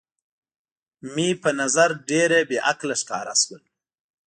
مې په نظر ډېره بې عقله ښکاره شول.